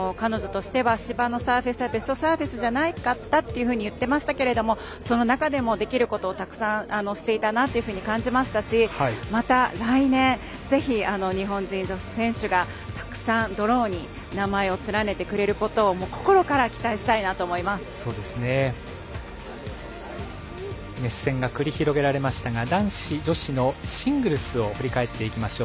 彼女としては芝のサーフェスはベストサーフェスじゃなかったと言ってましたけれどもその中でもできることをたくさんしていたなと感じましたしまた来年、日本人女子選手がたくさんドローに名前を連ねてくれることを熱戦が繰り広げられましたが男子、女子のシングルスを振り返っていきましょう。